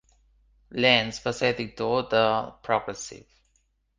Lens va ser editor de "The progressive".